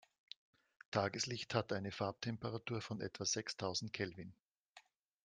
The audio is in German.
Tageslicht hat eine Farbtemperatur von etwa sechstausend Kelvin.